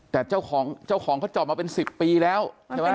แต่เจ้าของเจ้าของเขาจอดมาเป็น๑๐ปีแล้วใช่ไหม